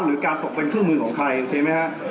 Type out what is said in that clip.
หรือการตกเป็นเครื่องมือของใครเห็นไหมฮะ